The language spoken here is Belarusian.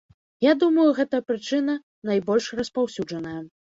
Я думаю, гэтая прычына найбольш распаўсюджаная.